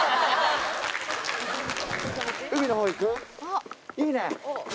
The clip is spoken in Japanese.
いいね！